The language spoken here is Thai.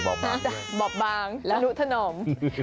บอบบางสนุทนม